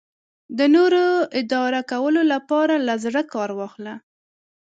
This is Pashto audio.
د نورو اداره کولو لپاره له زړه کار واخله.